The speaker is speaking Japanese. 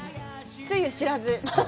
つゆ知らず。